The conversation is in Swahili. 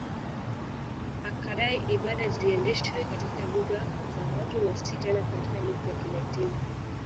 Akadai ibada ziendeshwe katika lugha za watu na si tena katika lugha ya Kilatini